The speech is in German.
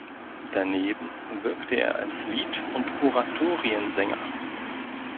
Daneben wirkte er als Lied- und Oratorien-Sänger.